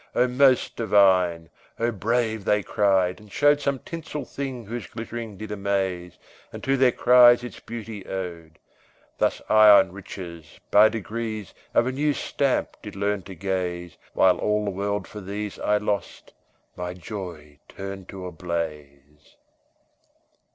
O most divine! O brave! they cried; and showed Some tinsel thing whose glittering did amaze, And to their cries its beauty owed; Thus I on riches, by degrees, Of a new stamp did learn to gaze, While all the world for these I lost, my joy turned to a blaze.